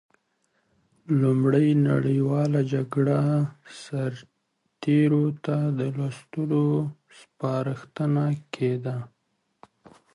لومړۍ نړیواله جګړه سرتېرو ته د لوستلو سپارښتنه کېده.